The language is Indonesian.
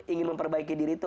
ingin memperbaiki diri itu